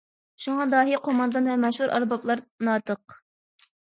شۇڭا داھىي، قوماندان ۋە مەشھۇر ئەربابلار ناتىق.